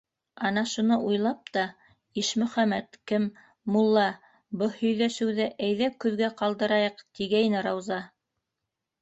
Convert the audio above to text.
Ана шуны уйлап та: «Ишмөхәмәт, кем, мулла, бы һөйҙәшеүҙе әйҙә көҙгә ҡалдырайыҡ», - тигәйне Рауза.